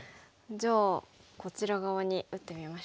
じゃあこちら側に打ってみましょうか。